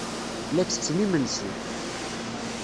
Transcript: La ttetten imensi.